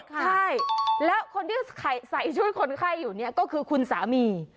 ใช่แล้วคนที่ใส่ช่วยคนไข้อยู่เนี่ยก็คือคุณสามี